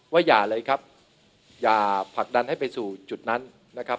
อย่าเลยครับอย่าผลักดันให้ไปสู่จุดนั้นนะครับ